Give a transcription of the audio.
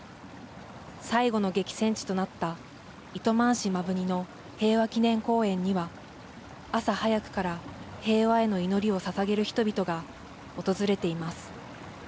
最後の激戦地となった、糸満市摩文仁の平和祈念公園には、朝早くから平和への祈りをささげる人々が訪れています。